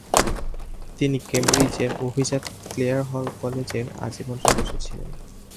তিনি কেমব্রিজের অভিজাত ক্লেয়ার হল কলেজের আজীবন সদস্য ছিলেন।